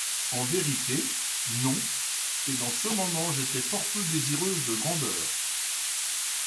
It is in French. En vérité, non, et dans ce moment j'étais fort peu désireuse de grandeurs !